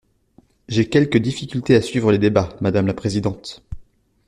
J’ai quelque difficulté à suivre les débats, madame la présidente.